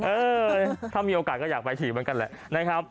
เออถ้ามีโอกาสก็อยากไปฉีดเหมือนกันแหละ